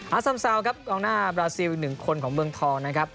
ซัมซาวครับกองหน้าบราซิลอีกหนึ่งคนของเมืองทองนะครับ